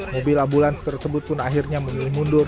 mobil ambulans tersebut pun akhirnya memilih mundur